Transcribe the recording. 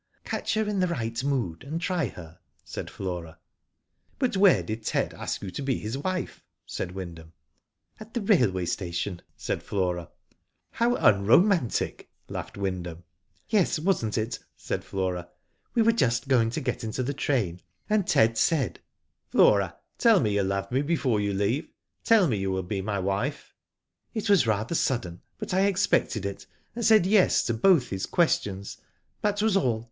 "Catch her in the right mood, and try her." said Flora. "But where did Ted ask you to be his wife?" said Wyndham. *'At the railway station, said Flora. "How unromantic," laughed Wyndham. o 2 Digitized by LjOOQ IC 196 .. WHO DID ITf *' Yes, wasn't it," said Flora. " We were just going to get into the train, and Ted said :" Flora, tell me you love me before you leave. Tell me you will be my wife." ." It was rather sudden, but I expected it, and said yes to both his questions, that was all.